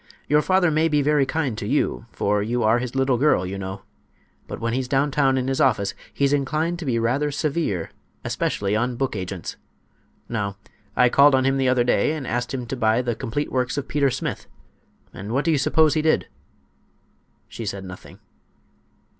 "Your father may be very kind to you, for you are his little girl, you know. But when he's down town in his office he's inclined to be rather severe, especially on book agents. Now, I called on him the other day and asked him to buy the 'Complete Works of Peter Smith,' and what do you suppose he did?" She said nothing.